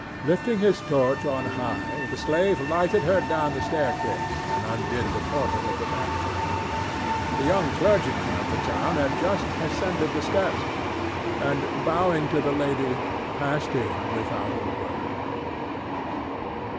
Lifting his torch on high, the slave lighted her down the staircase and undid the portal of the mansion. The young clergyman of the town had just ascended the steps, and, bowing to the lady, passed in without a word.